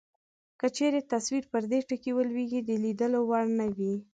که چیرې تصویر پر دې ټکي ولویږي د لیدلو وړ نه وي.